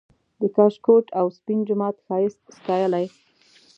د کاشکوټ او سپین جومات ښایست ستایلی